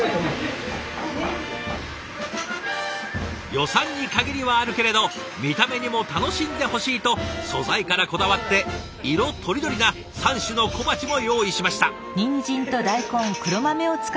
予算に限りはあるけれど見た目にも楽しんでほしいと素材からこだわって色とりどりな三種の小鉢も用意しました。